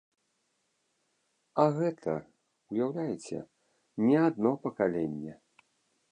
А гэта, уяўляеце, не адно пакаленне.